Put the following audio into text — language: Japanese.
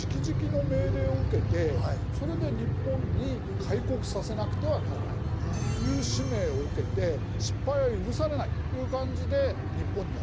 それで日本に開国させなくてはならないという使命を受けて失敗は許されないという感じで日本にやって来た。